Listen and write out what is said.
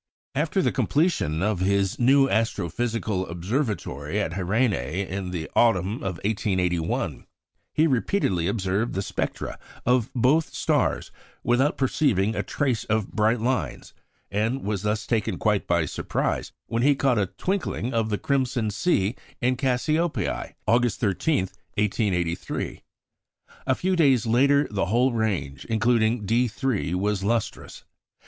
After the completion of his new astrophysical observatory at Herény in the autumn of 1881, he repeatedly observed the spectra of both stars without perceiving a trace of bright lines; and was thus taken quite by surprise when he caught a twinkling of the crimson C in Gamma Cassiopeiæ, August 13, 1883. A few days later, the whole range including D_3 was lustrous.